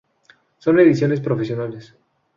Solo ediciones profesionales